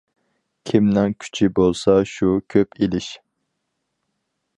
كىمنىڭ كۈچى بولسا شۇ كۆپ ئېلىش.